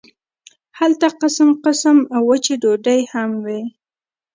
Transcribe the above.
هلته قسم قسم وچې ډوډۍ هم وې.